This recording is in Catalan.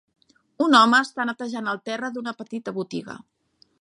Un home està netejant el terra d'una petita botiga